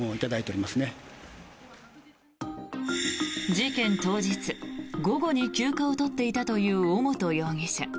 事件当日午後に休暇を取っていたという尾本容疑者。